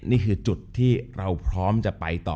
นี่คือจุดที่เราพร้อมจะไปต่อ